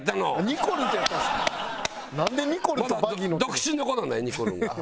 独身の頃ねにこるんが。